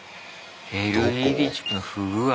ＬＥＤチップの不具合。